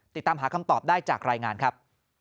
ติดตามหาคำตอบได้จากรายงานครับ